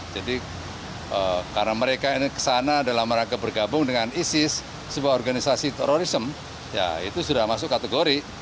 jadi karena mereka kesana dalam rangka bergabung dengan isis sebuah organisasi terorisme ya itu sudah masuk kategori